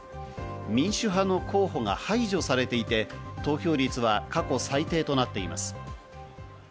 民主派の候補が排除されていて、投票率は過去最低となっています。